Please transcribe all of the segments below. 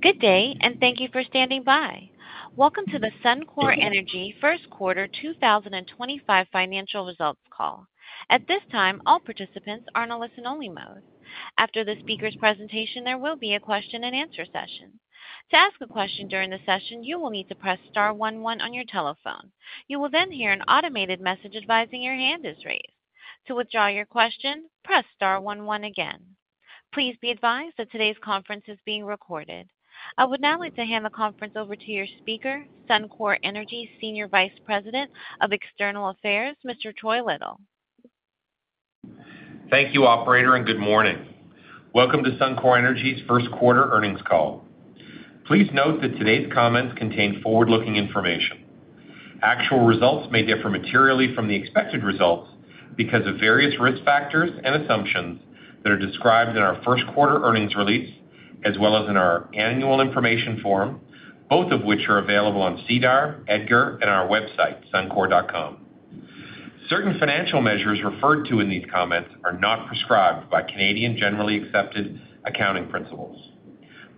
Good day, and thank you for standing by. Welcome to the Suncor Energy First Quarter 2025 Financial Results Call. At this time, all participants are in a listen-only mode. After the speaker's presentation, there will be a question-and-answer session. To ask a question during the session, you will need to press star one one on your telephone. You will then hear an automated message advising your hand is raised. To withdraw your question, press star 11 again. Please be advised that today's conference is being recorded. I would now like to hand the conference over to your speaker, Suncor Energy's Senior Vice President, External Affairs, Mr. Troy Little. Thank you, Operator, and good morning. Welcome to Suncor Energy's first quarter earnings call. Please note that today's comments contain forward-looking information. Actual results may differ materially from the expected results because of various risk factors and assumptions that are described in our first quarter earnings release, as well as in our annual information form, both of which are available on CDAR, EDGAR, and our website, suncor.com. Certain financial measures referred to in these comments are not prescribed by Canadian generally accepted accounting principles.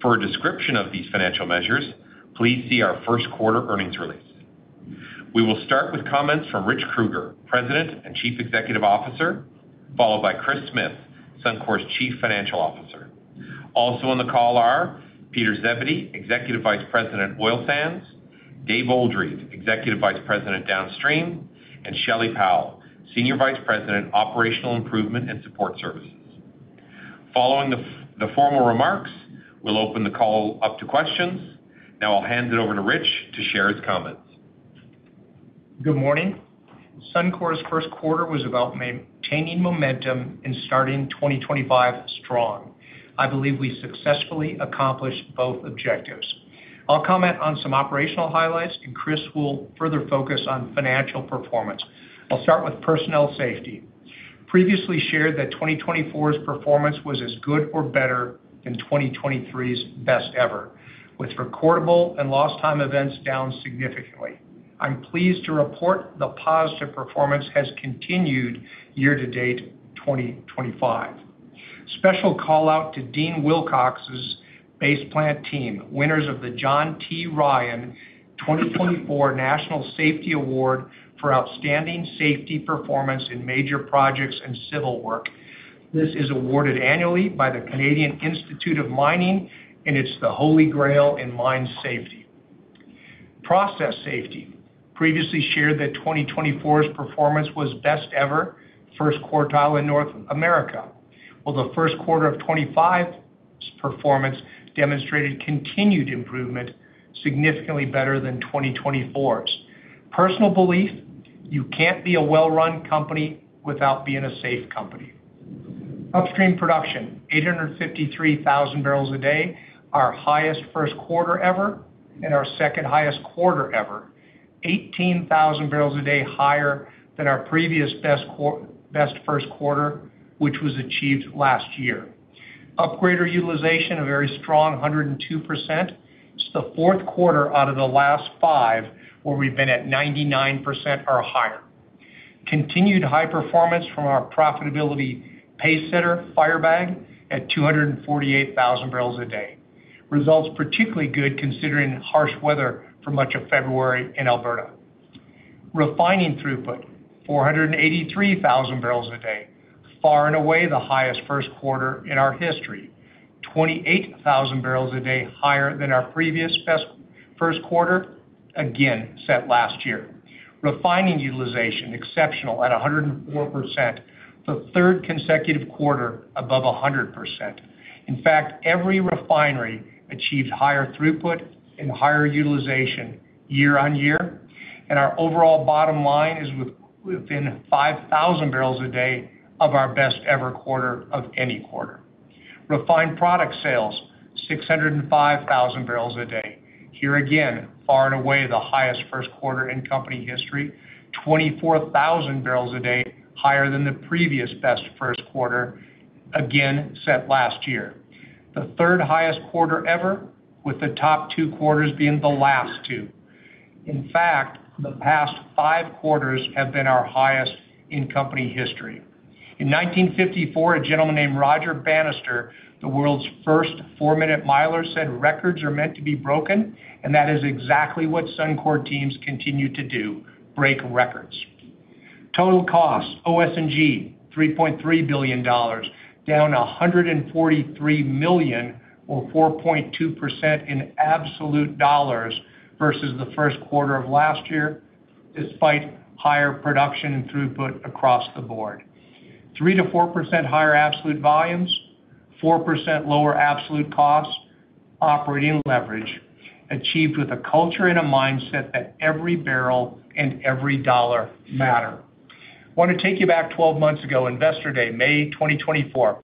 For a description of these financial measures, please see our first quarter earnings release. We will start with comments from Rich Kruger, President and Chief Executive Officer, followed by Kris Smith, Suncor's Chief Financial Officer. Also on the call are Peter Zebedee, Executive Vice President, Oil Sands, Dave Oldreive, Executive Vice President, Downstream, and Shelly Powell, Senior Vice President, Operational Improvement and Support Services. Following the formal remarks, we'll open the call up to questions. Now I'll hand it over to Rich to share his comments. Good morning. Suncor's first quarter was about maintaining momentum and starting 2025 strong. I believe we successfully accomplished both objectives. I'll comment on some operational highlights, and Chris will further focus on financial performance. I'll start with personnel safety. Previously shared that 2024's performance was as good or better than 2023's best ever, with recordable and lost time events down significantly. I'm pleased to report the positive performance has continued year to date 2025. Special callout to Dean Wilcox's Base Plant team, winners of the John T. Ryan 2024 National Safety Award for outstanding safety performance in major projects and civil work. This is awarded annually by the Canadian Institute of Mining, and it's the holy grail in mine safety. Process safety. Previously shared that 2024's performance was best ever, first quartile in North America. The first quarter of 2025's performance demonstrated continued improvement, significantly better than 2024's. Personal belief, you can't be a well-run company without being a safe company. Upstream production, 853,000 barrels a day, our highest first quarter ever and our second highest quarter ever, 18,000 barrels a day higher than our previous best first quarter, which was achieved last year. Upgrader utilization, a very strong 102%. It's the fourth quarter out of the last five where we've been at 99% or higher. Continued high performance from our profitability pacesetter, Firebag, at 248,000 barrels a day. Results particularly good considering harsh weather for much of February in Alberta. Refining throughput, 483,000 barrels a day, far and away the highest first quarter in our history. 28,000 barrels a day higher than our previous first quarter, again set last year. Refining utilization, exceptional at 104%, the third consecutive quarter above 100%. In fact, every refinery achieved higher throughput and higher utilization year on year, and our overall bottom line is within 5,000 barrels a day of our best ever quarter of any quarter. Refined product sales, 605,000 barrels a day. Here again, far and away the highest first quarter in company history, 24,000 barrels a day higher than the previous best first quarter, again set last year. The third highest quarter ever, with the top two quarters being the last two. In fact, the past five quarters have been our highest in company history. In 1954, a gentleman named Roger Bannister, the world's first four-minute miler, said records are meant to be broken, and that is exactly what Suncor teams continue to do, break records. Total cost, OS&G, $3.3 billion, down $143 million or 4.2% in absolute dollars versus the first quarter of last year, despite higher production and throughput across the board. 3-4% higher absolute volumes, 4% lower absolute costs, operating leverage, achieved with a culture and a mindset that every barrel and every dollar matter. Want to take you back 12 months ago, Investor Day, May 2024.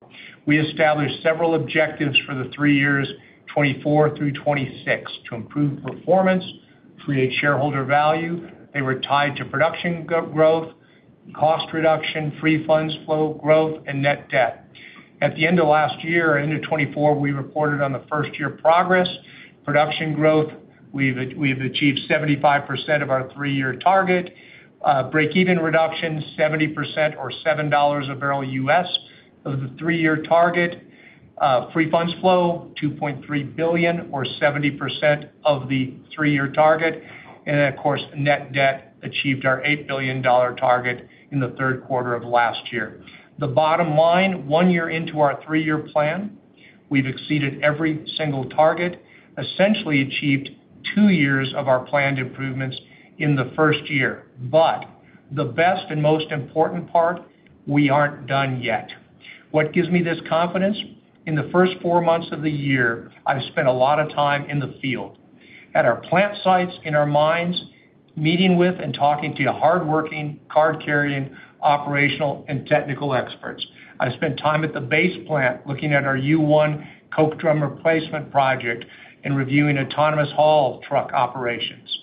We established several objectives for the three years, 2024 through 2026, to improve performance, create shareholder value. They were tied to production growth, cost reduction, free funds flow growth, and net debt. At the end of last year, end of 2024, we reported on the first-year progress, production growth. We've achieved 75% of our three-year target. Break-even reduction, 70% or $7 a barrel US of the three-year target. Free funds flow, $2.3 billion or 70% of the three-year target. Of course, net debt achieved our $8 billion target in the third quarter of last year. The bottom line, one year into our three-year plan, we've exceeded every single target, essentially achieved two years of our planned improvements in the first year. The best and most important part, we aren't done yet. What gives me this confidence? In the first four months of the year, I've spent a lot of time in the field, at our plant sites, in our mines, meeting with and talking to hardworking, card-carrying, operational, and technical experts. I spent time at the Base Plant looking at our U1 Coke Drum Replacement project and reviewing autonomous haul truck operations.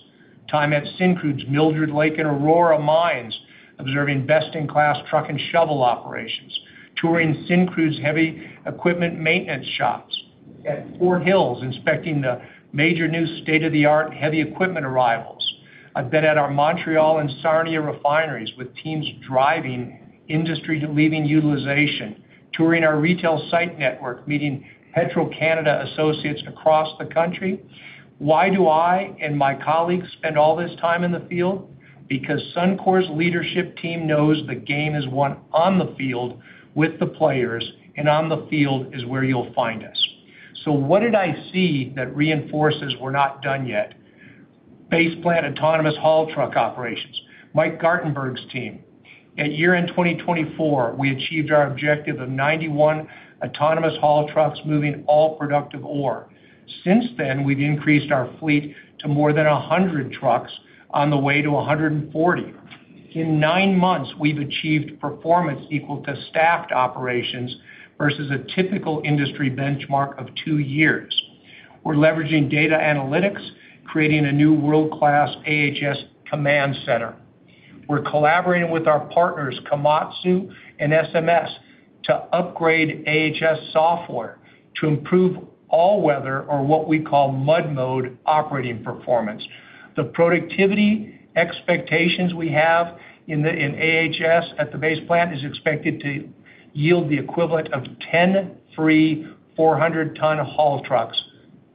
Time at Syncrude's Mildred Lake and Aurora Mines, observing best-in-class truck and shovel operations, touring Syncrude's heavy equipment maintenance shops. At Fort Hills, inspecting the major new state-of-the-art heavy equipment arrivals. I've been at our Montreal and Sarnia refineries with teams driving industry-leading utilization, touring our retail site network, meeting Petro-Canada associates across the country. Why do I and my colleagues spend all this time in the field? Because Suncor's leadership team knows the game is won on the field with the players, and on the field is where you'll find us. What did I see that reinforces we're not done yet? Base Plant autonomous haul truck operations. Mike Gartenburg's team. At year-end 2024, we achieved our objective of 91 autonomous haul trucks moving all productive ore. Since then, we've increased our fleet to more than 100 trucks on the way to 140. In nine months, we've achieved performance equal to staffed operations versus a typical industry benchmark of two years. We're leveraging data analytics, creating a new world-class AHS command center. We're collaborating with our partners, Komatsu and SMS Equipment, to upgrade AHS software to improve all-weather or what we call mud mode operating performance. The productivity expectations we have in AHS at the Base Plant is expected to yield the equivalent of 10 free 400-ton haul trucks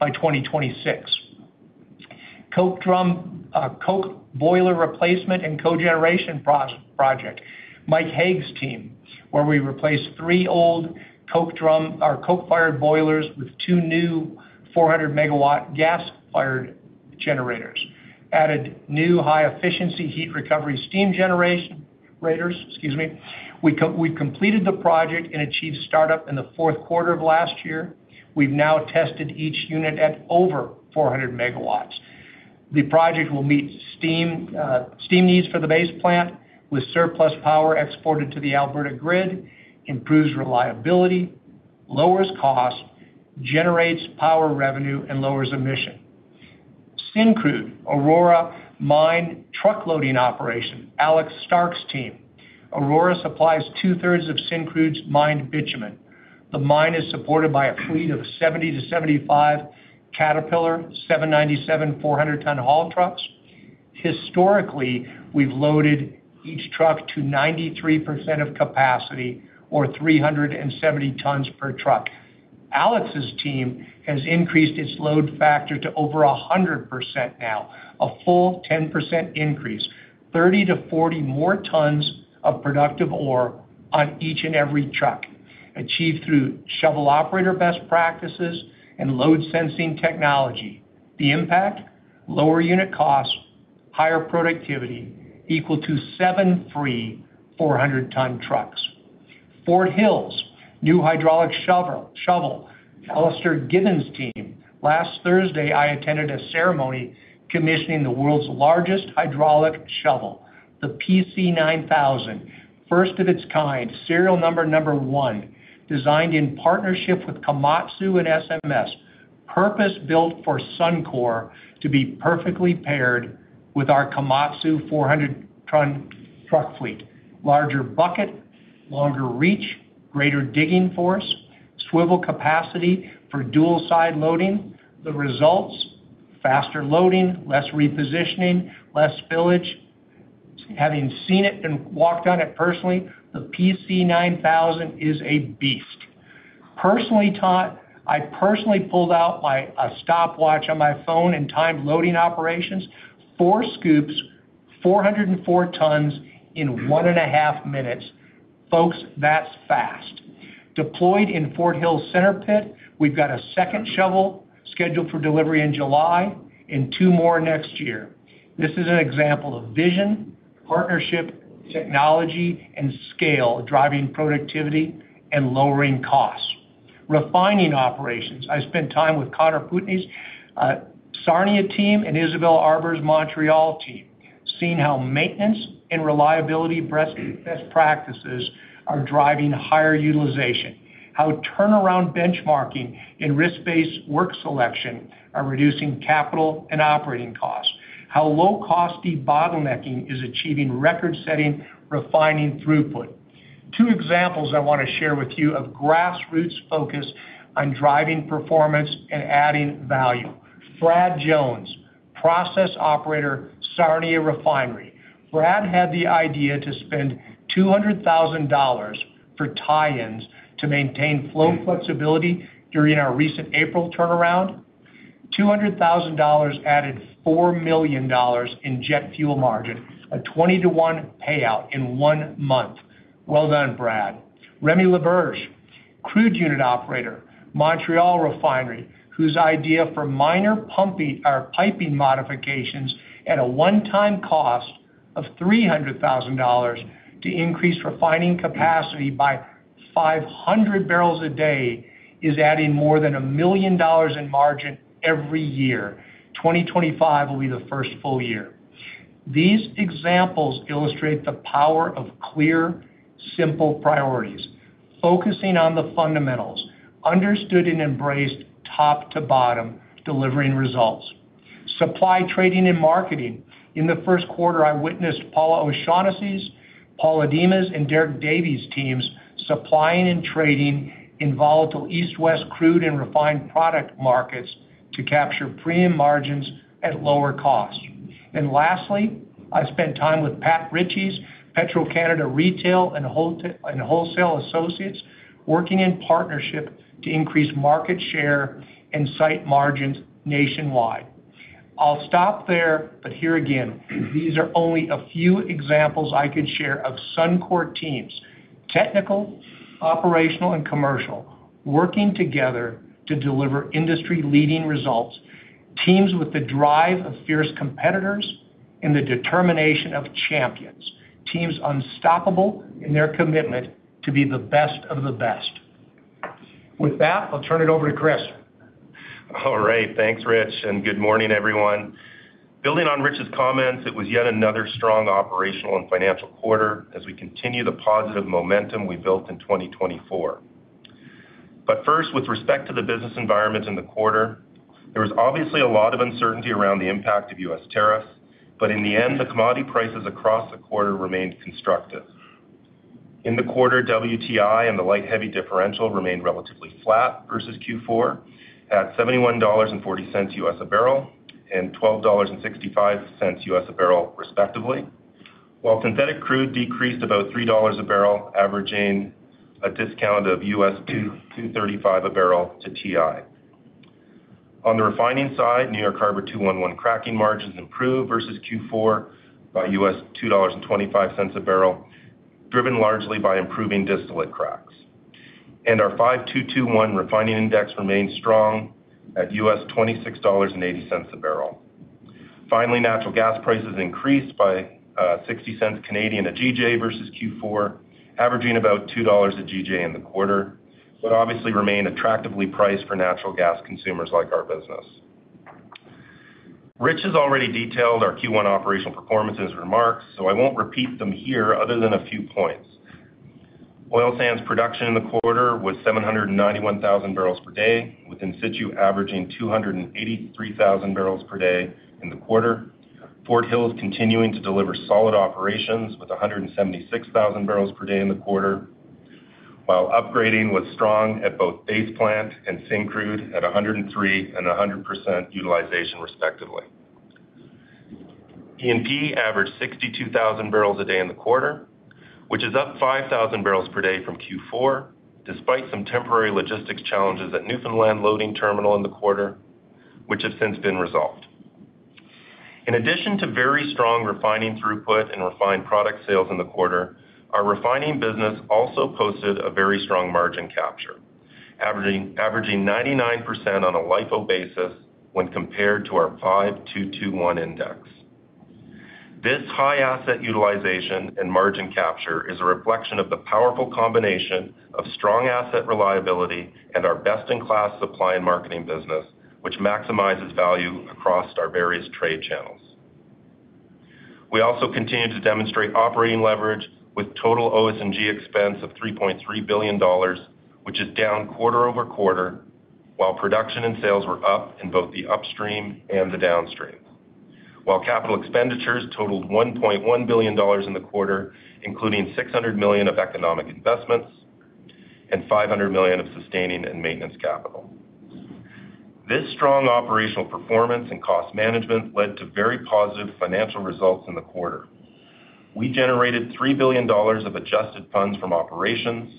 by 2026. Coke drum, coke boiler replacement and cogeneration project. Mike Hague's team, where we replaced three old coke drum or coke-fired boilers with two new 400-megawatt gas-fired generators. Added new high-efficiency heat recovery steam generators. Excuse me. We completed the project and achieved startup in the fourth quarter of last year. We've now tested each unit at over 400 megawatts. The project will meet steam needs for the Base Plant with surplus power exported to the Alberta grid, improves reliability, lowers cost, generates power revenue, and lowers emissions. Syncrude's Aurora Mine truck loading operation, Alex Stark's team. Aurora supplies two-thirds of Syncrude's mined bitumen. The mine is supported by a fleet of 70-75 Caterpillar 797 400-ton haul trucks. Historically, we've loaded each truck to 93% of capacity or 370 tons per truck. Alex's team has increased its load factor to over 100% now, a full 10% increase, 30-40 more tons of productive ore on each and every truck, achieved through shovel operator best practices and load sensing technology. The impact? Lower unit cost, higher productivity, equal to seven free 400-ton trucks. Fort Hills, new hydraulic shovel. Alisdair Gibbons' team. Last Thursday, I attended a ceremony commissioning the world's largest hydraulic shovel, the PC9000, first of its kind, serial number one, designed in partnership with Komatsu and SMS, purpose-built for Suncor to be perfectly paired with our Komatsu 400-ton truck fleet. Larger bucket, longer reach, greater digging force, swivel capacity for dual-side loading. The results? Faster loading, less repositioning, less spillage. Having seen it and walked on it personally, the PC9000 is a beast. Personally, I pulled out my stopwatch on my phone and timed loading operations, four scoops, 404 tons in one and a half minutes. Folks, that's fast. Deployed in Fort Hills Center Pit, we've got a second shovel scheduled for delivery in July and two more next year. This is an example of vision, partnership, technology, and scale driving productivity and lowering costs. Refining operations. I spent time with Conor Poutney's Sarnia team and Isabelle Arbour's Montreal team, seeing how maintenance and reliability best practices are driving higher utilization, how turnaround benchmarking and risk-based work selection are reducing capital and operating costs, how low-cost debottlenecking is achieving record-setting refining throughput. Two examples I want to share with you of grassroots focus on driving performance and adding value. Brad Jones, process operator, Sarnia Refinery. Brad had the idea to spend $200,000 for tie-ins to maintain flow flexibility during our recent April turnaround. $200,000 added $4 million in jet fuel margin, a 20-to-1 payout in one month. Brad, well done. Remi Laberge, crude unit operator, Montreal Refinery, whose idea for minor pumping or piping modifications at a one-time cost of $300,000 to increase refining capacity by 500 barrels a day is adding more than $1 million in margin every year. 2025 will be the first full year. These examples illustrate the power of clear, simple priorities. Focusing on the fundamentals, understood and embraced top to bottom, delivering results. Supply, trading, and marketing. In the first quarter, I witnessed Paula O'Shaughnessy's, Paul Edema's, and Derek Davie's teams supplying and trading in volatile east-west crude and refined product markets to capture premium margins at lower costs. Lastly, I spent time with Pat Ritchie’s Petro-Canada Retail and Wholesale Associates, working in partnership to increase market share and site margins nationwide. I'll stop there, but here again, these are only a few examples I could share of Suncor teams, technical, operational, and commercial, working together to deliver industry-leading results, teams with the drive of fierce competitors and the determination of champions, teams unstoppable in their commitment to be the best of the best. With that, I'll turn it over to Kris. All right. Thanks, Rich. Good morning, everyone. Building on Rich's comments, it was yet another strong operational and financial quarter as we continue the positive momentum we built in 2024. First, with respect to the business environment in the quarter, there was obviously a lot of uncertainty around the impact of U.S. tariffs, but in the end, the commodity prices across the quarter remained constructive. In the quarter, WTI and the light-heavy differential remained relatively flat versus Q4 at $71.40 a barrel and $12.65 a barrel, respectively, while synthetic crude decreased about $3 a barrel, averaging a discount of $2.35 a barrel to WTI. On the refining side, New York Harbor 211 cracking margins improved versus Q4 by $2.25 a barrel, driven largely by improving distillate cracks. Our 5221 refining index remained strong at $26.80 a barrel. Finally, natural gas prices increased by $0.60 a GJ versus Q4, averaging about $2 a GJ in the quarter, but obviously remain attractively priced for natural gas consumers like our business. Rich has already detailed our Q1 operational performance in his remarks, so I won't repeat them here other than a few points. Oil Sands production in the quarter was 791,000 barrels per day, with in situ averaging 283,000 barrels per day in the quarter. Fort Hills continuing to deliver solid operations with 176,000 barrels per day in the quarter, while upgrading was strong at both Base Plant and Syncrude at 103% and 100% utilization, respectively. E&P averaged 62,000 barrels a day in the quarter, which is up 5,000 barrels per day from Q4, despite some temporary logistics challenges at the Newfoundland loading terminal in the quarter, which have since been resolved. In addition to very strong refining throughput and refined product sales in the quarter, our refining business also posted a very strong margin capture, averaging 99% on a LIFO basis when compared to our 5-2-2-1 index. This high asset utilization and margin capture is a reflection of the powerful combination of strong asset reliability and our best-in-class supply and marketing business, which maximizes value across our various trade channels. We also continue to demonstrate operating leverage with total OS&G expense of $3.3 billion, which is down quarter-over-quarter, while production and sales were up in both the upstream and the downstream, while capital expenditures totaled $1.1 billion in the quarter, including $600 million of economic investments and $500 million of sustaining and maintenance capital. This strong operational performance and cost management led to very positive financial results in the quarter. We generated $3 billion of adjusted funds from operations,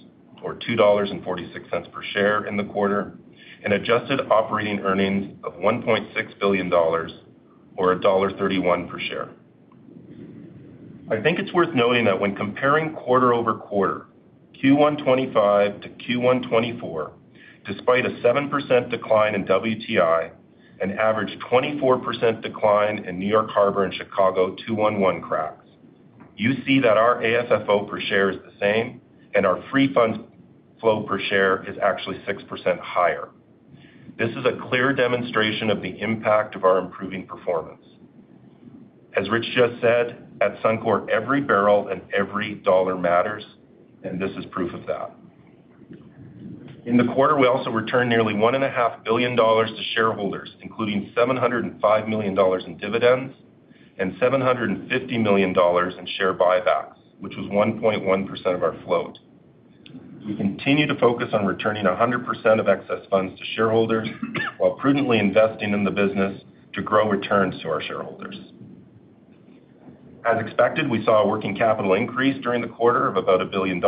or $2.46 per share in the quarter, and adjusted operating earnings of $1.6 billion, or $1.31 per share. I think it's worth noting that when comparing quarter over quarter, Q1 2025 to Q1 2024, despite a 7% decline in WTI and average 24% decline in New York Harbor and Chicago 211 cracks, you see that our AFFO per share is the same, and our free fund flow per share is actually 6% higher. This is a clear demonstration of the impact of our improving performance. As Rich just said, at Suncor, every barrel and every dollar matters, and this is proof of that. In the quarter, we also returned nearly $1.5 billion to shareholders, including $705 million in dividends and $750 million in share buybacks, which was 1.1% of our float. We continue to focus on returning 100% of excess funds to shareholders while prudently investing in the business to grow returns to our shareholders. As expected, we saw a working capital increase during the quarter of about $1 billion,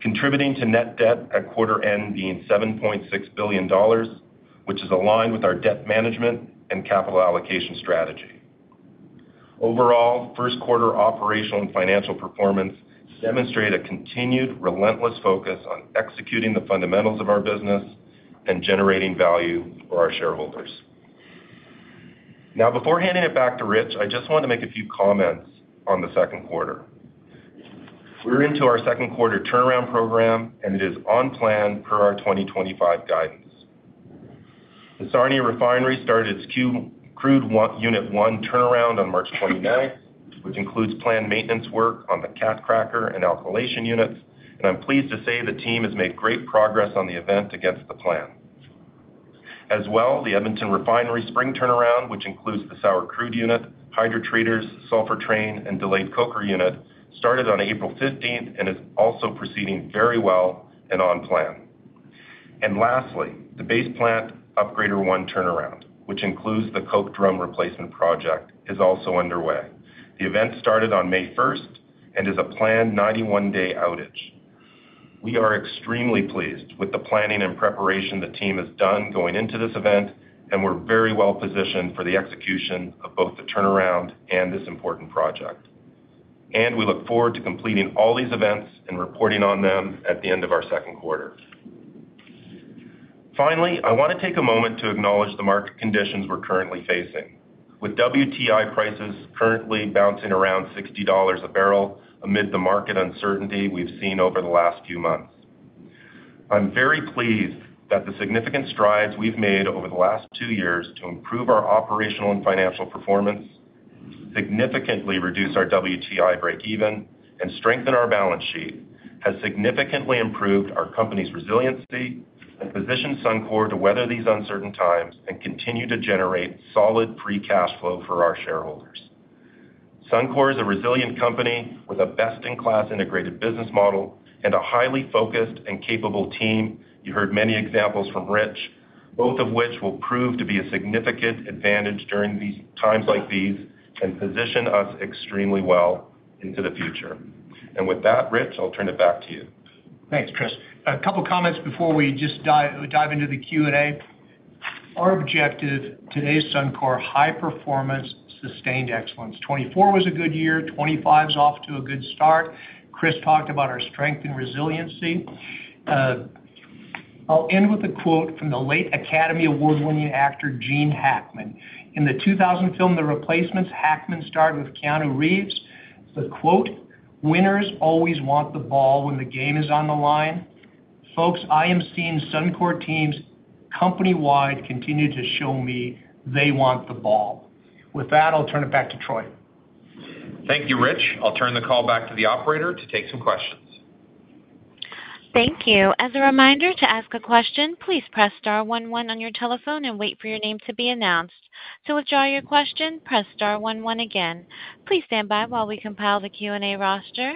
contributing to net debt at quarter end being $7.6 billion, which is aligned with our debt management and capital allocation strategy. Overall, first quarter operational and financial performance demonstrate a continued relentless focus on executing the fundamentals of our business and generating value for our shareholders. Now, before handing it back to Rich, I just want to make a few comments on the second quarter. We're into our second quarter turnaround program, and it is on plan per our 2025 guidance. The Sarnia Refinery started its crude unit one turnaround on March 29, which includes planned maintenance work on the cat cracker and alkylation units. I'm pleased to say the team has made great progress on the event against the plan. As well, the Edmonton refinery spring turnaround, which includes the sour crude unit, hydrotreaters, sulfur train, and delayed coker unit, started on April 15th and is also proceeding very well and on plan. Lastly, the Base Plant upgrader one turnaround, which includes the coke drum replacement project, is also underway. The event started on May 1st and is a planned 91-day outage. We are extremely pleased with the planning and preparation the team has done going into this event, and we're very well positioned for the execution of both the turnaround and this important project. We look forward to completing all these events and reporting on them at the end of our second quarter. Finally, I want to take a moment to acknowledge the market conditions we're currently facing. With WTI prices currently bouncing around $60 a barrel amid the market uncertainty we've seen over the last few months, I'm very pleased that the significant strides we've made over the last two years to improve our operational and financial performance, significantly reduce our WTI breakeven, and strengthen our balance sheet has significantly improved our company's resiliency and positioned Suncor to weather these uncertain times and continue to generate solid free cash flow for our shareholders. Suncor is a resilient company with a best-in-class integrated business model and a highly focused and capable team. You heard many examples from Rich, both of which will prove to be a significant advantage during these times like these and position us extremely well into the future. With that, Rich, I'll turn it back to you. Thanks, Chris. A couple of comments before we just dive into the Q&A. Our objective today is Suncor high performance, sustained excellence. 2024 was a good year. 2025 is off to a good start. Kris talked about our strength and resiliency. I'll end with a quote from the late Academy Award-winning actor Gene Hackman. In the 2000 film The Replacements, Hackman starred with Keanu Reeves. The quote, "Winners always want the ball when the game is on the line. Folks, I am seeing Suncor teams company-wide continue to show me they want the ball." With that, I'll turn it back to Troy. Thank you, Rich. I'll turn the call back to the operator to take some questions. Thank you. As a reminder to ask a question, please press star 11 on your telephone and wait for your name to be announced. To withdraw your question, press star 11 again. Please stand by while we compile the Q&A roster.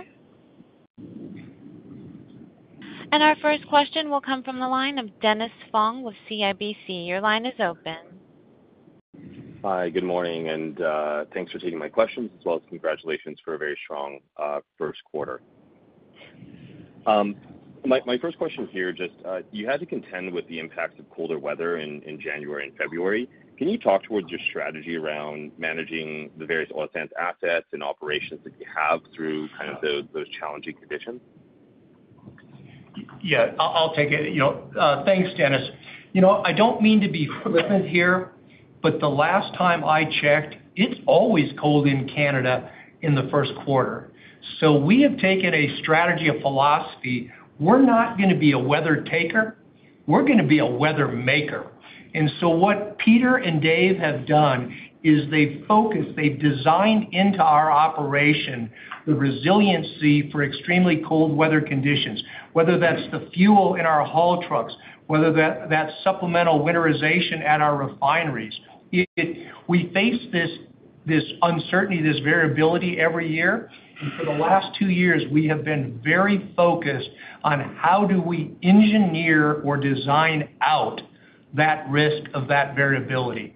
Our first question will come from the line of Dennis Fong with CIBC. Your line is open. Hi, good morning, and thanks for taking my questions, as well as congratulations for a very strong first quarter. My first question here, just you had to contend with the impacts of colder weather in January and February. Can you talk towards your strategy around managing the various oil sands assets and operations that you have through kind of those challenging conditions? Yeah, I'll take it. Thanks, Dennis. I don't mean to be flippant here, but the last time I checked, it's always cold in Canada in the first quarter. We have taken a strategy or philosophy. We're not going to be a weather taker. We're going to be a weather maker. What Peter and Dave have done is they've focused, they've designed into our operation the resiliency for extremely cold weather conditions, whether that's the fuel in our haul trucks, whether that's supplemental winterization at our refineries. We face this uncertainty, this variability every year. For the last two years, we have been very focused on how do we engineer or design out that risk of that variability.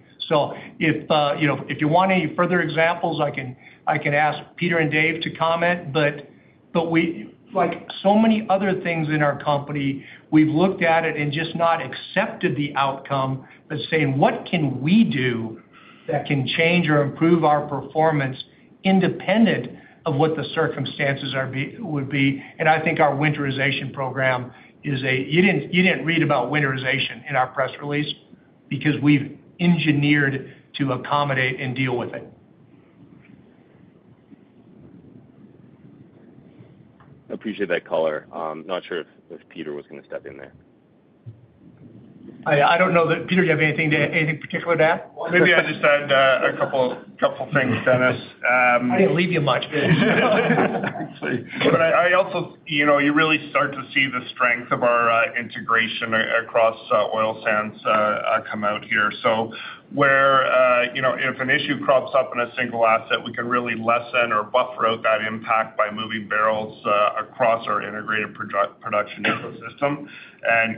If you want any further examples, I can ask Peter and Dave to comment. Like so many other things in our company, we've looked at it and just not accepted the outcome, but saying, "What can we do that can change or improve our performance independent of what the circumstances would be?" I think our winterization program is a—you didn't read about winterization in our press release because we've engineered to accommodate and deal with it. I appreciate that, Kruger. I'm not sure if Peter was going to step in there. I don't know that. Peter, do you have anything particular to add? Maybe I just add a couple of things, Dennis. I didn't leave you much. I also—you really start to see the strength of our integration across oil sands come out here. Where if an issue crops up in a single asset, we can really lessen or buffer out that impact by moving barrels across our integrated production ecosystem.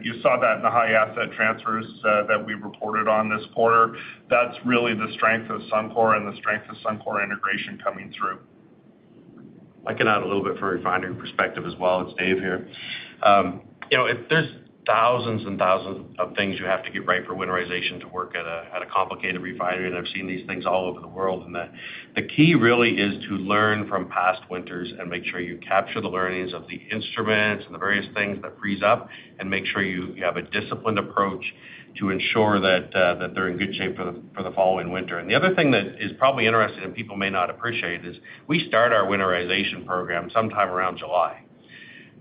You saw that in the high asset transfers that we reported on this quarter. That is really the strength of Suncor and the strength of Suncor integration coming through. I can add a little bit from refining perspective as well. It's Dave here. If there are thousands and thousands of things you have to get right for winterization to work at a complicated refinery, and I have seen these things all over the world, the key really is to learn from past winters and make sure you capture the learnings of the instruments and the various things that freeze up and make sure you have a disciplined approach to ensure that they are in good shape for the following winter. The other thing that is probably interesting and people may not appreciate is we start our winterization program sometime around July, right?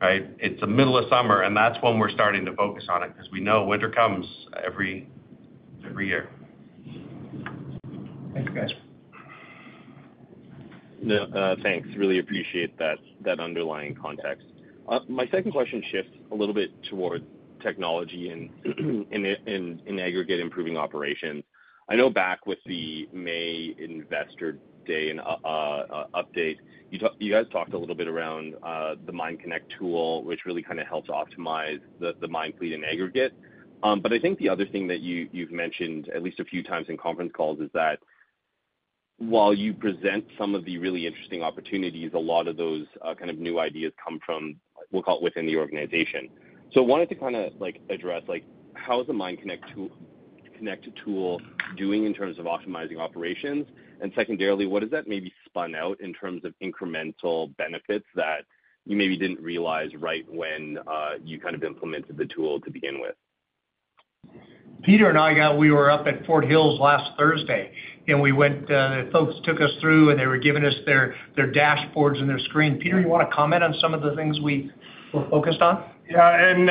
It is the middle of summer, and that is when we are starting to focus on it because we know winter comes every year. Thanks, guys. Thanks. Really appreciate that underlying context. My second question shifts a little bit towards technology and aggregate improving operations. I know back with the May investor day update, you guys talked a little bit around the Mine Connect tool, which really kind of helps optimize the mine fleet and aggregate. I think the other thing that you've mentioned at least a few times in conference calls is that while you present some of the really interesting opportunities, a lot of those kind of new ideas come from, we'll call it, within the organization. I wanted to kind of address how is the Mine Connect tool doing in terms of optimizing operations? Secondarily, what does that maybe spun out in terms of incremental benefits that you maybe did not realize right when you kind of implemented the tool to begin with? Peter and I got—we were up at Fort Hills last Thursday, and we went—folks took us through, and they were giving us their dashboards and their screens. Peter, you want to comment on some of the things we were focused on? Yeah. And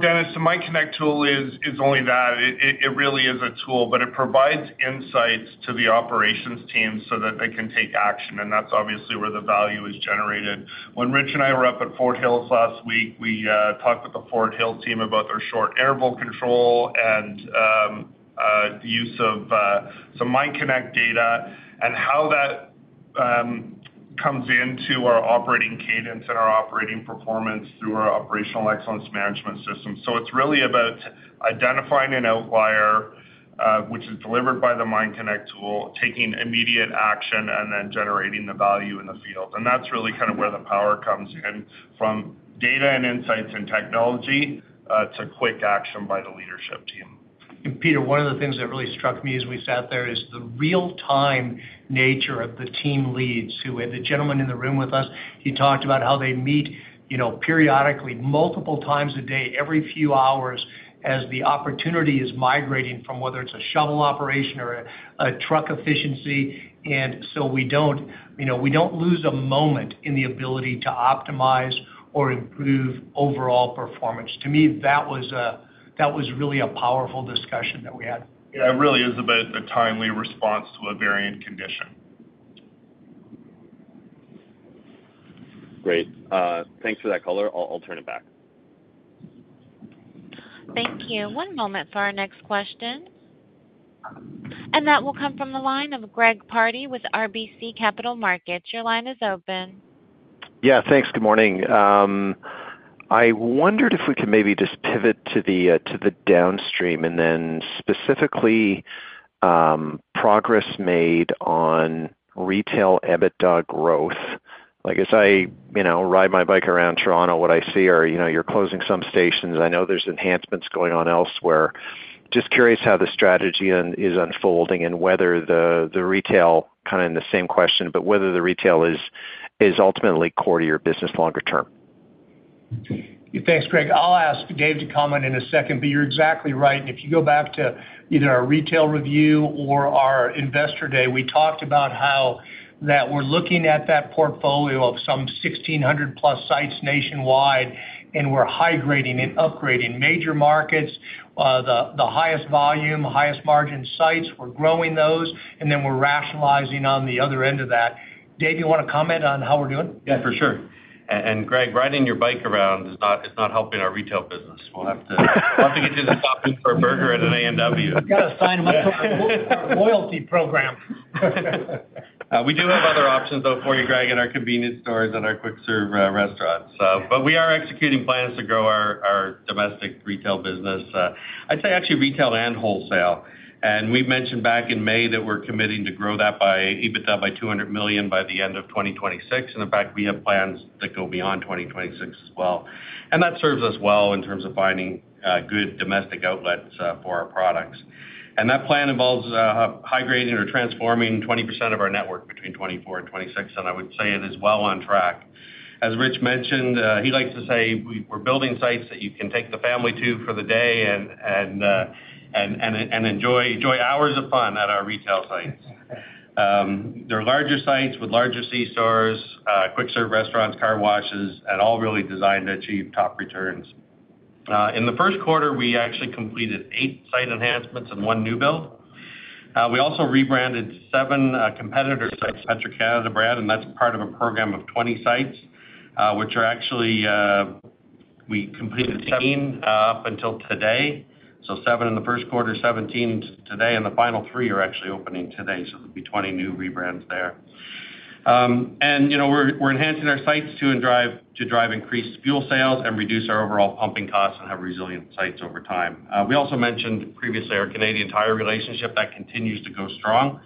Dennis, the Mine Connect tool is only that. It really is a tool, but it provides insights to the operations team so that they can take action. That is obviously where the value is generated. When Rich and I were up at Fort Hills last week, we talked with the Fort Hills team about their short interval control and the use of some Mine Connect data and how that comes into our operating cadence and our operating performance through our operational excellence management system. It is really about identifying an outlier, which is delivered by the Mine Connect tool, taking immediate action, and then generating the value in the field. That is really kind of where the power comes in from data and insights and technology to quick action by the leadership team. Peter, one of the things that really struck me as we sat there is the real-time nature of the team leads who—the gentleman in the room with us, he talked about how they meet periodically, multiple times a day, every few hours as the opportunity is migrating from whether it is a shovel operation or a truck efficiency. We do not lose a moment in the ability to optimize or improve overall performance. To me, that was really a powerful discussion that we had. Yeah, it really is about a timely response to a variant condition. Great. Thanks for that, Kruger. I'll turn it back. Thank you. One moment for our next question. That will come from the line of Greg Pardy with RBC Capital Markets. Your line is open. Yeah, thanks. Good morning. I wondered if we could maybe just pivot to the downstream and then specifically progress made on retail EBITDA growth. As I ride my bike around Toronto, what I see are you're closing some stations. I know there's enhancements going on elsewhere. Just curious how the strategy is unfolding and whether the retail—kind of in the same question—but whether the retail is ultimately core to your business longer term. Thanks, Greg. I'll ask Dave to comment in a second, but you're exactly right. If you go back to either our retail review or our investor day, we talked about how we're looking at that portfolio of some 1,600+ sites nationwide, and we're high-grading and upgrading major markets, the highest volume, highest margin sites. We're growing those, and then we're rationalizing on the other end of that. Dave, you want to comment on how we're doing? Yeah, for sure. Greg, riding your bike around is not helping our retail business. We'll have to get you to stop in for a burger at an A&W. Got to sign him up for our loyalty program. We do have other options, though, for you, Greg, in our convenience stores and our quick-serve restaurants. We are executing plans to grow our domestic retail business, I'd say actually retail and wholesale. We mentioned back in May that we're committing to grow that by EBITDA by $200 million by the end of 2026. In fact, we have plans that go beyond 2026 as well. That serves us well in terms of finding good domestic outlets for our products. That plan involves high-grading or transforming 20% of our network between 2024 and 2026. I would say it is well on track. As Rich mentioned, he likes to say, "We're building sites that you can take the family to for the day and enjoy hours of fun at our retail sites." They are larger sites with larger C-stores, quick-serve restaurants, car washes, and all really designed to achieve top returns. In the first quarter, we actually completed eight site enhancements and one new build. We also rebranded seven competitor sites under Canada Brand, and that is part of a program of 20 sites, which actually we completed 17 up until today. Seven in the first quarter, 17 today, and the final three are actually opening today. There will be 20 new rebrands there. We are enhancing our sites to drive increased fuel sales and reduce our overall pumping costs and have resilient sites over time. We also mentioned previously our Canadian Tire relationship that continues to go strong.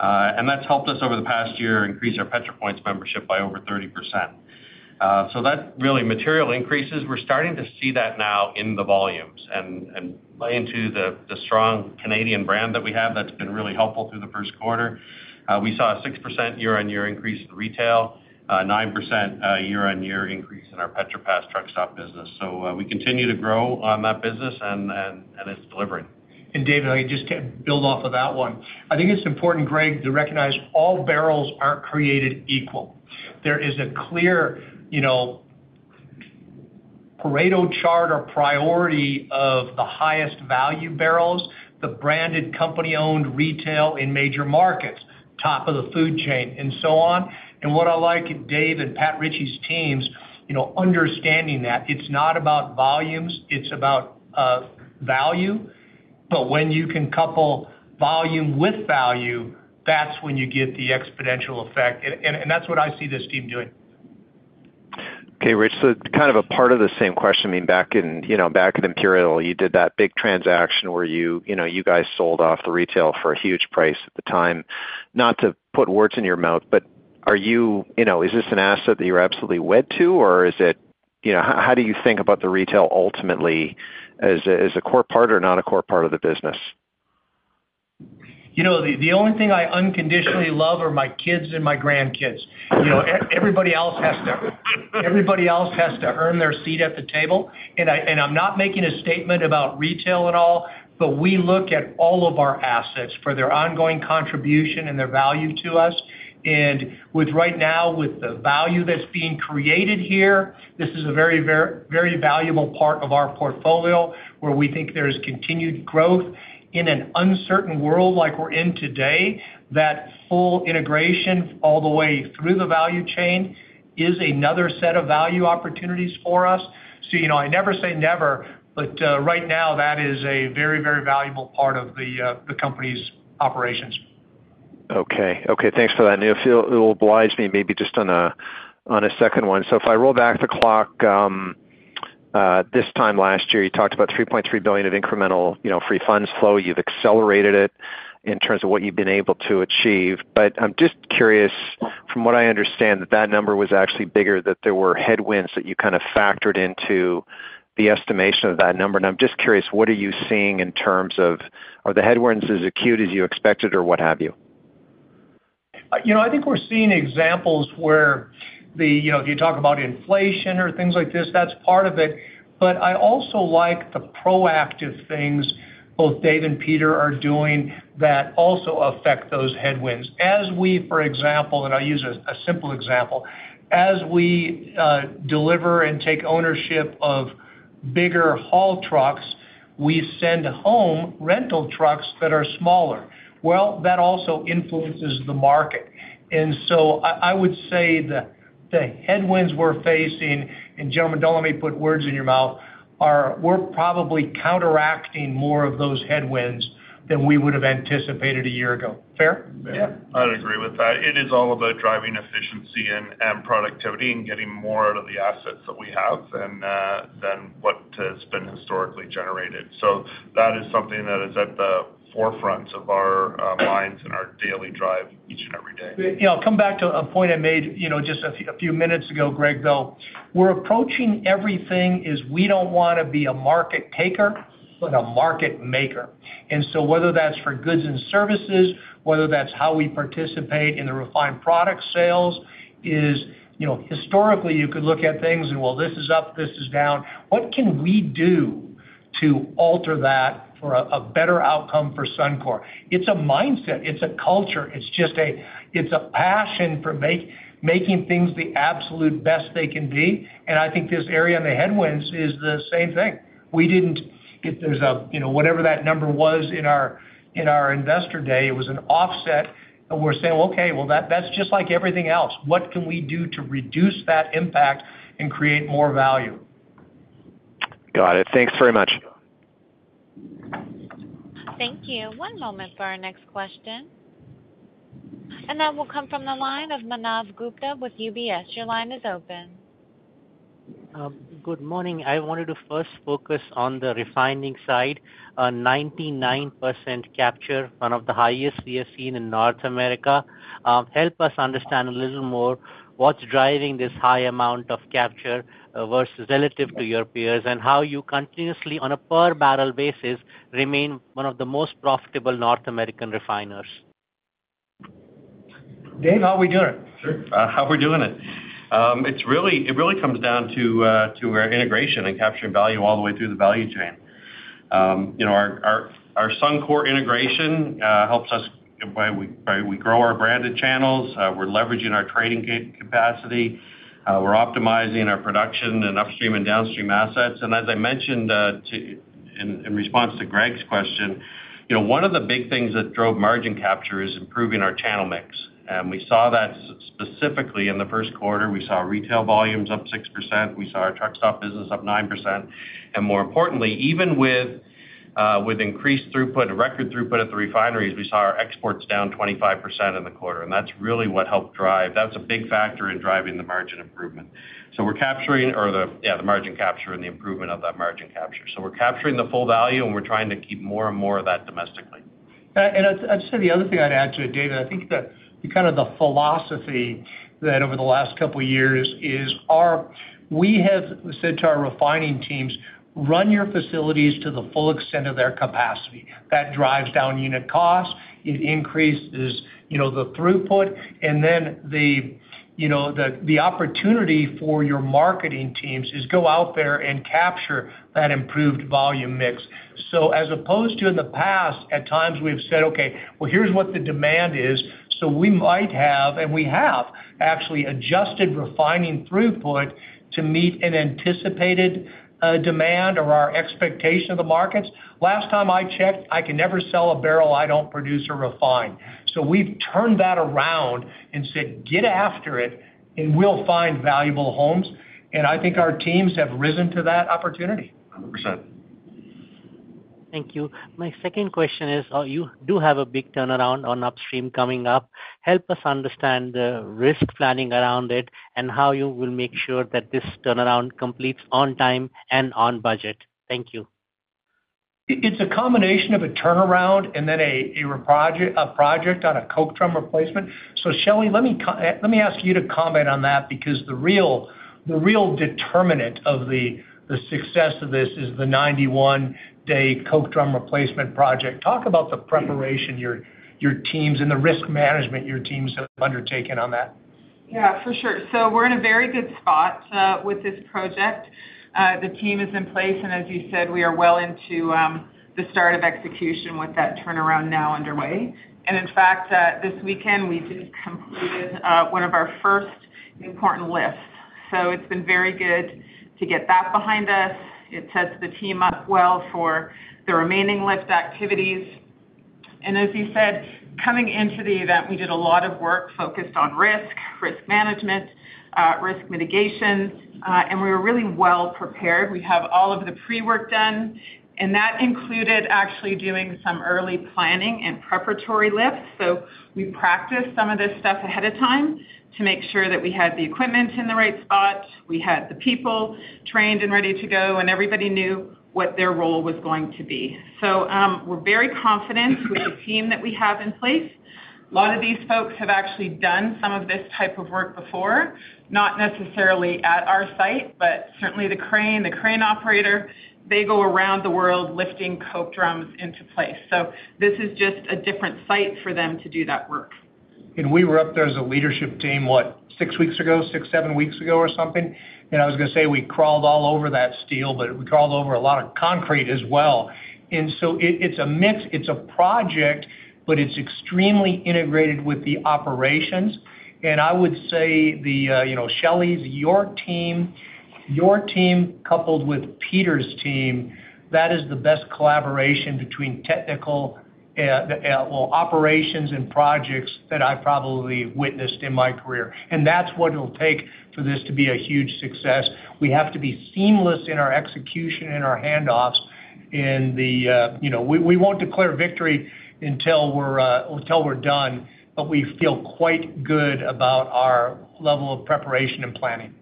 That has helped us over the past year increase our Petro-Points membership by over 30%. That is really material increases. We are starting to see that now in the volumes and into the strong Canadian brand that we have that has been really helpful through the first quarter. We saw a 6% year-on-year increase in retail, a 9% year-on-year increase in our Petro-Pass truck stop business. We continue to grow on that business, and it is delivering. David, I just cannot build off of that one. I think it is important, Greg, to recognize all barrels are not created equal. There is a clear Pareto chart or priority of the highest value barrels, the branded company-owned retail in major markets, top of the food chain, and so on. What I like at Dave and Pat Ritchie's teams is understanding that it is not about volumes, it is about value. When you can couple volume with value, that's when you get the exponential effect. That's what I see this team doing. Okay, Rich, kind of a part of the same question. I mean, back in Imperial, you did that big transaction where you guys sold off the retail for a huge price at the time. Not to put words in your mouth, but is this an asset that you're absolutely wed to, or is it how do you think about the retail ultimately as a core part or not a core part of the business? The only thing I unconditionally love are my kids and my grandkids. Everybody else has to earn their seat at the table. I'm not making a statement about retail at all, but we look at all of our assets for their ongoing contribution and their value to us. Right now, with the value that is being created here, this is a very, very valuable part of our portfolio where we think there is continued growth in an uncertain world like we are in today. That full integration all the way through the value chain is another set of value opportunities for us. I never say never, but right now, that is a very, very valuable part of the company's operations. Okay. Thanks for that. It obliges me maybe just on a second one. If I roll back the clock, this time last year, you talked about $3.3 billion of incremental free funds flow. You have accelerated it in terms of what you have been able to achieve. I am just curious, from what I understand, that number was actually bigger, that there were headwinds that you kind of factored into the estimation of that number. I'm just curious, what are you seeing in terms of are the headwinds as acute as you expected or what have you? I think we're seeing examples where if you talk about inflation or things like this, that's part of it. I also like the proactive things both Dave and Peter are doing that also affect those headwinds. For example, and I'll use a simple example, as we deliver and take ownership of bigger haul trucks, we send home rental trucks that are smaller. That also influences the market. I would say the headwinds we're facing, and gentlemen, don't let me put words in your mouth, we're probably counteracting more of those headwinds than we would have anticipated a year ago. Fair? Yeah. I'd agree with that. It is all about driving efficiency and productivity and getting more out of the assets that we have than what has been historically generated. That is something that is at the forefront of our minds and our daily drive each and every day. I'll come back to a point I made just a few minutes ago, Greg, though. We're approaching everything as we don't want to be a market taker, but a market maker. Whether that's for goods and services, whether that's how we participate in the refined product sales, historically, you could look at things and, well, this is up, this is down. What can we do to alter that for a better outcome for Suncor? It's a mindset. It's a culture. It's just a passion for making things the absolute best they can be. I think this area on the headwinds is the same thing. We did not get there, whatever that number was in our investor day, it was an offset. We are saying, "Okay, that is just like everything else. What can we do to reduce that impact and create more value?" Got it. Thanks very much. Thank you. One moment for our next question. That will come from the line of Manav Gupta with UBS. Your line is open. Good morning. I wanted to first focus on the refining side. 99% capture, one of the highest we have seen in North America. Help us understand a little more what is driving this high amount of capture relative to your peers and how you continuously, on a per-barrel basis, remain one of the most profitable North American refiners. Dave, how are we doing? Sure. How are we doing it? It really comes down to our integration and capturing value all the way through the value chain. Our Suncor integration helps us grow our branded channels. We're leveraging our trading capacity. We're optimizing our production and upstream and downstream assets. As I mentioned in response to Greg's question, one of the big things that drove margin capture is improving our channel mix. We saw that specifically in the first quarter. We saw retail volumes up 6%. We saw our truck stop business up 9%. More importantly, even with increased throughput, record throughput at the refineries, we saw our exports down 25% in the quarter. That is really what helped drive. That is a big factor in driving the margin improvement. We are capturing, or yeah, the margin capture and the improvement of that margin capture. We're capturing the full value, and we're trying to keep more and more of that domestically. I would say the other thing I would add to it, Dave, I think that kind of the philosophy that over the last couple of years is we have said to our refining teams, "Run your facilities to the full extent of their capacity." That drives down unit costs. It increases the throughput. The opportunity for your marketing teams is go out there and capture that improved volume mix. As opposed to in the past, at times we have said, "Okay, well, here is what the demand is." We might have, and we have actually adjusted refining throughput to meet an anticipated demand or our expectation of the markets. Last time I checked, I can never sell a barrel I do not produce or refine. We have turned that around and said, "Get after it, and we'll find valuable homes." I think our teams have risen to that opportunity. 100%. Thank you. My second question is, you do have a big turnaround on upstream coming up. Help us understand the risk planning around it and how you will make sure that this turnaround completes on time and on budget. Thank you. It is a combination of a turnaround and then a project on a coke drum replacement. Shelly, let me ask you to comment on that because the real determinant of the success of this is the 91-day coke drum replacement project. Talk about the preparation your teams and the risk management your teams have undertaken on that. Yeah, for sure. We are in a very good spot with this project. The team is in place. As you said, we are well into the start of execution with that turnaround now underway. In fact, this weekend, we just completed one of our first important lifts. It has been very good to get that behind us. It sets the team up well for the remaining lift activities. As you said, coming into the event, we did a lot of work focused on risk, risk management, risk mitigation. We were really well prepared. We have all of the pre-work done. That included actually doing some early planning and preparatory lifts. We practiced some of this stuff ahead of time to make sure that we had the equipment in the right spot. We had the people trained and ready to go, and everybody knew what their role was going to be. We are very confident with the team that we have in place. A lot of these folks have actually done some of this type of work before, not necessarily at our site, but certainly the crane, the crane operator, they go around the world lifting coke drums into place. This is just a different site for them to do that work. We were up there as a leadership team, what, six weeks ago, six, seven weeks ago or something. I was going to say we crawled all over that steel, but we crawled over a lot of concrete as well. It is a mix. It is a project, but it is extremely integrated with the operations. I would say, Shelly's, your team, your team coupled with Peter's team, that is the best collaboration between technical, well, operations and projects that I have probably witnessed in my career. That is what it will take for this to be a huge success. We have to be seamless in our execution, in our handoffs. We will not declare victory until we are done, but we feel quite good about our level of preparation and planning.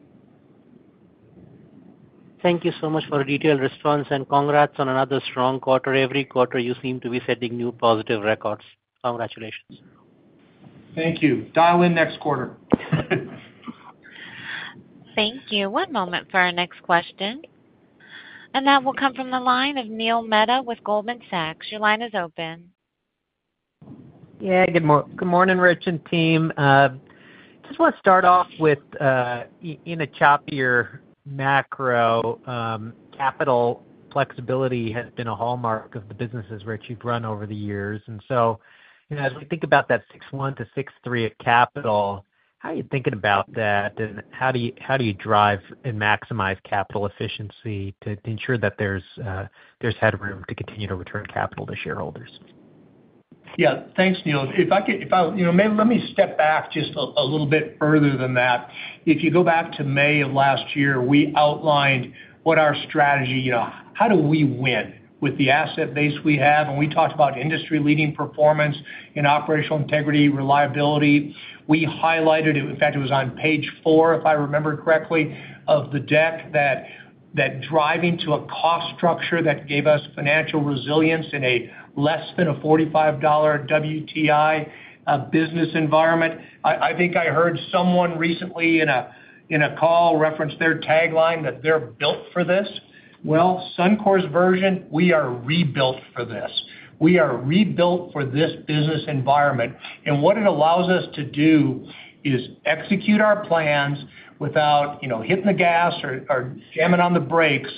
Thank you so much for a detailed response, and congrats on another strong quarter. Every quarter, you seem to be setting new positive records. Congratulations. Thank you. Dial in next quarter. Thank you. One moment for our next question. That will come from the line of Neil Mehta with Goldman Sachs. Your line is open. Yeah. Good morning, Rich and team. Just want to start off with in a choppier macro, capital flexibility has been a hallmark of the businesses which you have run over the years. As we think about that $6.1 billion to $6.3 billion of capital, how are you thinking about that? How do you drive and maximize capital efficiency to ensure that there's headroom to continue to return capital to shareholders? Yeah. Thanks, Neil. If I can, let me step back just a little bit further than that. If you go back to May of last year, we outlined what our strategy, how do we win with the asset base we have? We talked about industry-leading performance and operational integrity, reliability. We highlighted it. In fact, it was on page four, if I remember correctly, of the deck, that driving to a cost structure that gave us financial resilience in a less than $45 WTI business environment. I think I heard someone recently in a call reference their tagline that they're built for this. Suncor's version, we are rebuilt for this. We are rebuilt for this business environment. What it allows us to do is execute our plans without hitting the gas or jamming on the brakes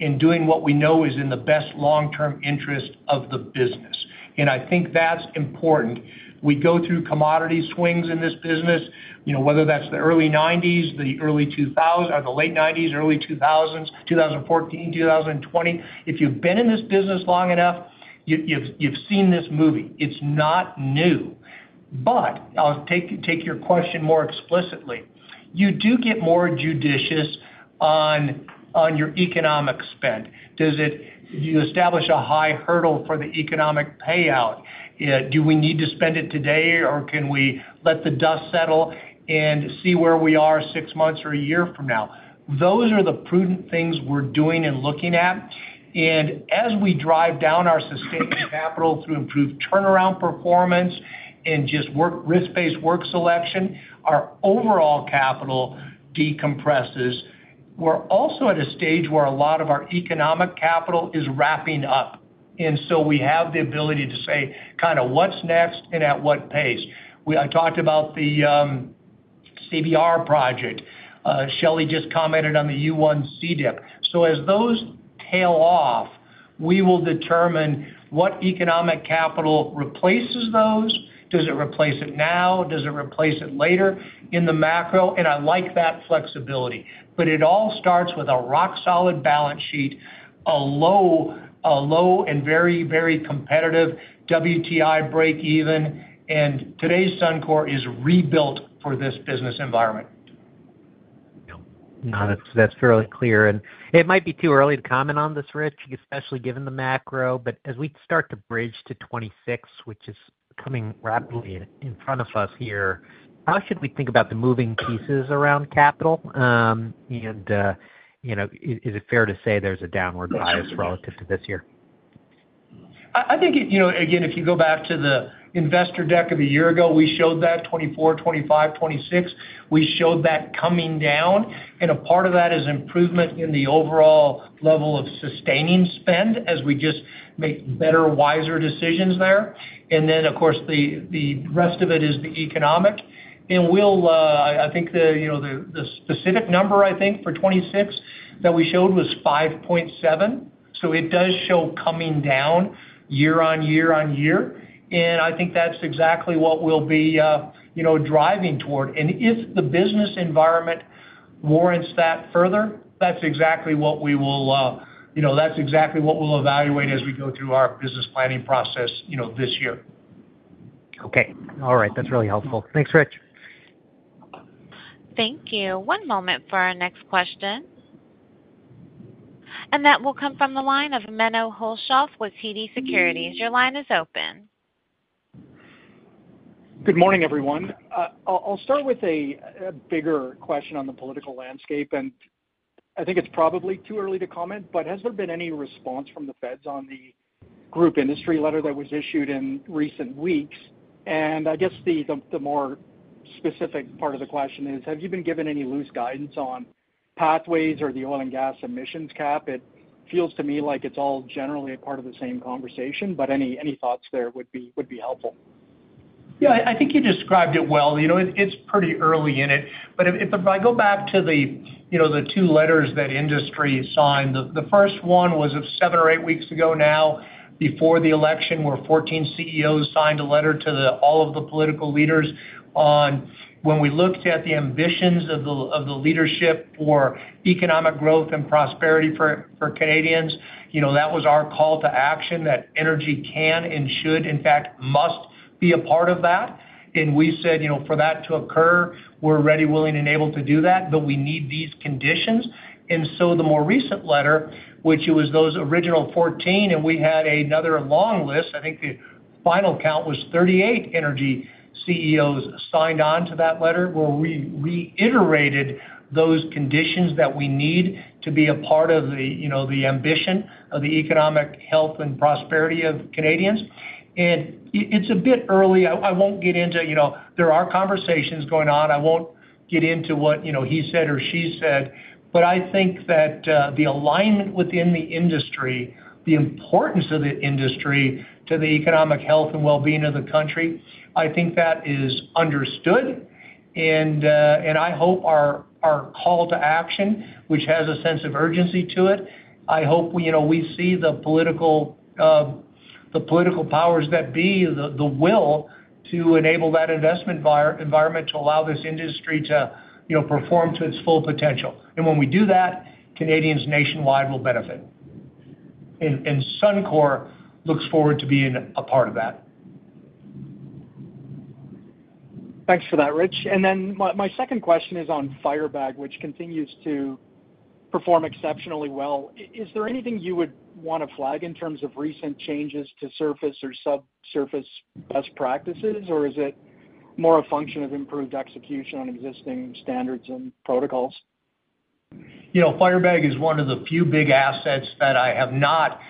and doing what we know is in the best long-term interest of the business. I think that's important. We go through commodity swings in this business, whether that's the early 1990s, the late 1990s, early 2000s, 2014, 2020. If you've been in this business long enough, you've seen this movie. It's not new. I'll take your question more explicitly. You do get more judicious on your economic spend. Do you establish a high hurdle for the economic payout? Do we need to spend it today, or can we let the dust settle and see where we are six months or a year from now? Those are the prudent things we're doing and looking at. As we drive down our sustained capital through improved turnaround performance and just risk-based work selection, our overall capital decompresses. We're also at a stage where a lot of our economic capital is wrapping up. We have the ability to say kind of what's next and at what pace. I talked about the CBR project. Shelly just commented on the U1 CDIP. As those tail off, we will determine what economic capital replaces those. Does it replace it now? Does it replace it later in the macro? I like that flexibility. It all starts with a rock-solid balance sheet, a low and very, very competitive WTI break-even. Today's Suncor is rebuilt for this business environment. That's fairly clear. It might be too early to comment on this, Rich, especially given the macro. As we start to bridge to 2026, which is coming rapidly in front of us here, how should we think about the moving pieces around capital? Is it fair to say there's a downward bias relative to this year? I think, again, if you go back to the investor deck of a year ago, we showed that 2024, 2025, 2026. We showed that coming down. A part of that is improvement in the overall level of sustaining spend as we just make better, wiser decisions there. Of course, the rest of it is the economic. I think the specific number, I think, for 2026 that we showed was $5.7 billion. It does show coming down year on year on year. I think that's exactly what we'll be driving toward. If the business environment warrants that further, that's exactly what we'll evaluate as we go through our business planning process this year. Okay. All right. That's really helpful. Thanks, Rich. Thank you. One moment for our next question. That will come from the line of Menno Hulshof with TD Securities. Your line is open. Good morning, everyone. I'll start with a bigger question on the political landscape. I think it's probably too early to comment, but has there been any response from the feds on the group industry letter that was issued in recent weeks? I guess the more specific part of the question is, have you been given any loose guidance on pathways or the oil and gas emissions cap? It feels to me like it's all generally a part of the same conversation, but any thoughts there would be helpful. Yeah. I think you described it well. It's pretty early in it. If I go back to the two letters that industry signed, the first one was of seven or eight weeks ago now, before the election, where 14 CEOs signed a letter to all of the political leaders on when we looked at the ambitions of the leadership for economic growth and prosperity for Canadians. That was our call to action that energy can and should, in fact, must be a part of that. We said, "For that to occur, we're ready, willing, and able to do that, but we need these conditions." The more recent letter, which it was those original 14, and we had another long list. I think the final count was 38 energy CEOs signed on to that letter where we reiterated those conditions that we need to be a part of the ambition of the economic health and prosperity of Canadians. It is a bit early. I will not get into there are conversations going on. I will not get into what he said or she said. I think that the alignment within the industry, the importance of the industry to the economic health and well-being of the country, I think that is understood. I hope our call to action, which has a sense of urgency to it, I hope we see the political powers that be, the will to enable that investment environment to allow this industry to perform to its full potential. When we do that, Canadians nationwide will benefit. Suncor looks forward to being a part of that. Thanks for that, Rich. My second question is on Firebag, which continues to perform exceptionally well. Is there anything you would want to flag in terms of recent changes to surface or subsurface best practices, or is it more a function of improved execution on existing standards and protocols? Firebag is one of the few big assets that I have not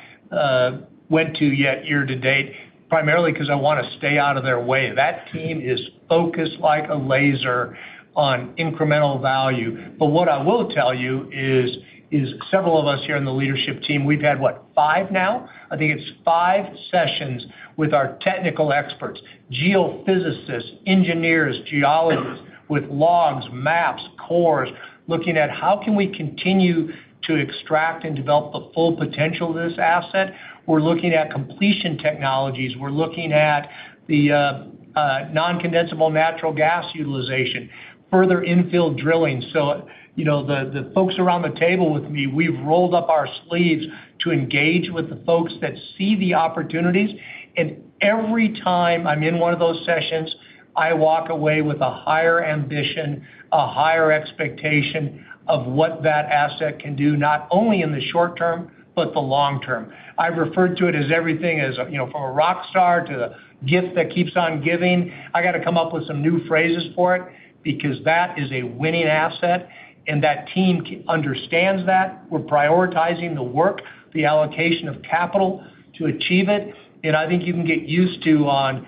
went to yet year to date, primarily because I want to stay out of their way. That team is focused like a laser on incremental value. What I will tell you is several of us here on the leadership team, we've had, what, five now? I think it's five sessions with our technical experts, geophysicists, engineers, geologists with logs, maps, cores, looking at how can we continue to extract and develop the full potential of this asset. We're looking at completion technologies. We're looking at the non-condensable natural gas utilization, further infield drilling. The folks around the table with me, we've rolled up our sleeves to engage with the folks that see the opportunities. Every time I'm in one of those sessions, I walk away with a higher ambition, a higher expectation of what that asset can do, not only in the short term, but the long term. I've referred to it as everything from a rock star to a gift that keeps on giving. I got to come up with some new phrases for it because that is a winning asset. That team understands that we're prioritizing the work, the allocation of capital to achieve it. I think you can get used to on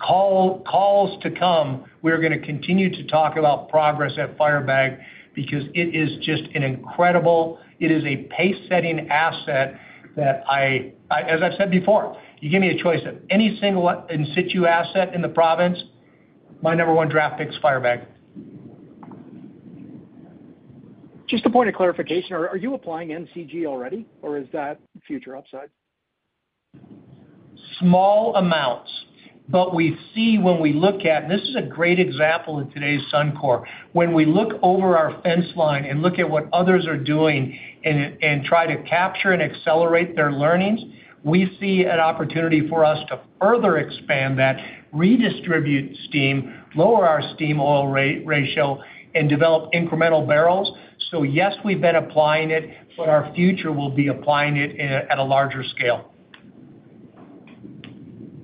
calls to come, we're going to continue to talk about progress at Firebag because it is just an incredible, it is a pace-setting asset that, as I've said before, you give me a choice of any single in situ asset in the province, my number one draft pick's Firebag. Just a point of clarification. Are you applying MCG already, or is that future upside? Small amounts. We see when we look at, and this is a great example in today's Suncor, when we look over our fence line and look at what others are doing and try to capture and accelerate their learnings, we see an opportunity for us to further expand that, redistribute steam, lower our steam oil ratio, and develop incremental barrels. Yes, we've been applying it, but our future will be applying it at a larger scale.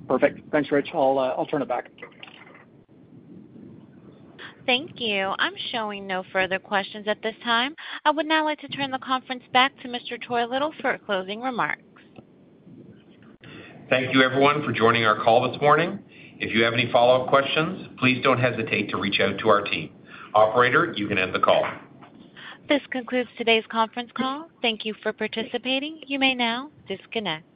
Perfect. Thanks, Rich. I'll turn it back. Thank you. I'm showing no further questions at this time. I would now like to turn the conference back to Mr. Troy Little for closing remarks. Thank you, everyone, for joining our call this morning. If you have any follow-up questions, please don't hesitate to reach out to our team. Operator, you can end the call. This concludes today's conference call. Thank you for participating. You may now disconnect.